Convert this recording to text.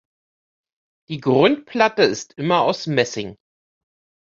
Die Grundplatte ist immer aus Messing.